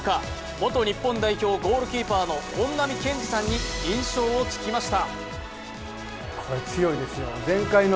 元日本代表ゴールキーパーの本並健治さんに印象を聞きました。